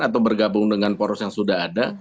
atau bergabung dengan poros yang sudah ada